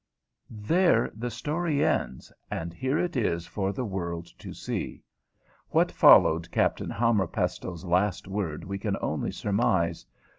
There the story ends, and here it is for the world to see. What followed Captain Hammerpestle's last word we can only surmise.